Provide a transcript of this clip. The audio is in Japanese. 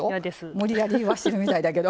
無理やり言わしてるみたいだけど。